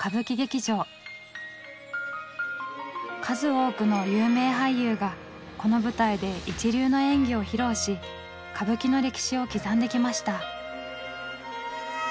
数多くの有名俳優がこの舞台で一流の演技を披露し歌舞伎の歴史を刻んできました。